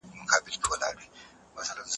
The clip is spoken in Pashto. هغه خپل اثر په ډېر مهارت لیکلی دی.